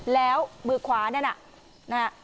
แล้วมือขวานั่น